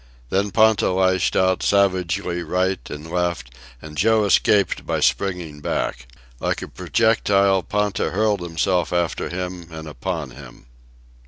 Then Ponta lashed out, savagely, right and left, and Joe escaped by springing back. Like a projectile, Ponta hurled himself after him and upon him.